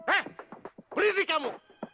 eh berisik kamu